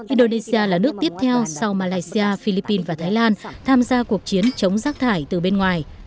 indonesia là nước tiếp theo sau malaysia philippines và thái lan tham gia cuộc chiến chống rác thải từ bên ngoài